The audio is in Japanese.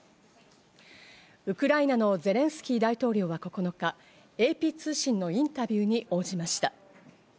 ウクライナのゼレンスキー大統領は９日、ＡＰ通信のインタビューに応じました。